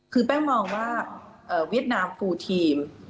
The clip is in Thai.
คือแป้งมองว่าเวียดนามปูทีม